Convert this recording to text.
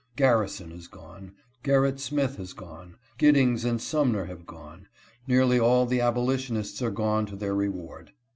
Garrison has gone, Gerritt Smith has gone, Giddingsand Sumner have gone, — nearly all the abolition ists are gone to their reward.